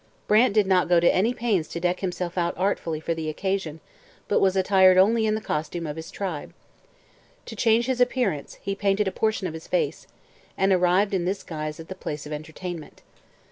Brant did not go to any pains to deck himself out artfully for the occasion, but was attired only in the costume of his tribe. To change his appearance, he painted a portion of his face, and arrived in this guise at the place of entertainment.